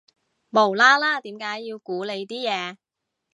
無啦啦點解要估你啲嘢